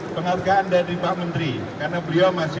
pelatih yang disahormati